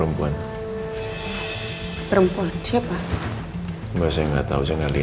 apa itu jessy